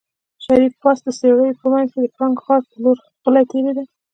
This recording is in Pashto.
شريف پاس د څېړيو په منځ کې د پړانګ غار په لور غلی تېرېده.